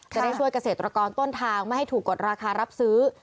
จะได้ช่วยเกษตรกรต้นทางไม่ให้ถูกกดราคารับซื้อ